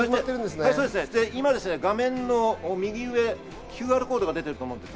今画面の右上、ＱＲコードが出ていると思います。